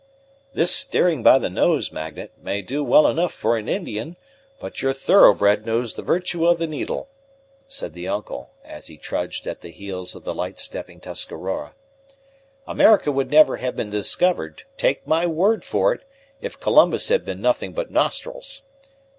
"This steering by the nose, Magnet, may do well enough for an Indian, but your thoroughbred knows the virtue of the needle," said the uncle, as he trudged at the heels of the light stepping Tuscarora. "America would never have been discovered, take my word for it, if Columbus had been nothing but nostrils.